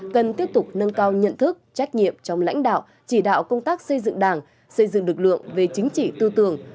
cần tiếp tục nâng cao nhận thức trách nhiệm trong lãnh đạo chỉ đạo công tác xây dựng đảng xây dựng lực lượng về chính trị tư tưởng